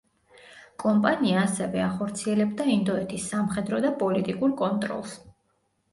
კომპანია ასევე ახორციელებდა ინდოეთის სამხედრო და პოლიტიკურ კონტროლს.